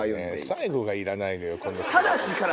最後がいらないのよ。